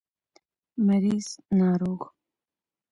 مريض √ ناروغ